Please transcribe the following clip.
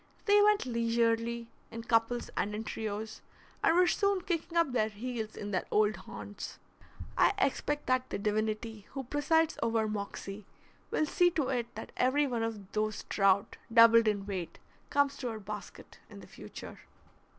They went leisurely, in couples and in trios, and were soon kicking up their heels in their old haunts. I expect that the divinity who presides over Moxie will see to it that every one of those trout, doubled in weight, comes to our basket in the future.